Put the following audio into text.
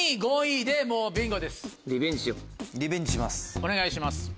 お願いします。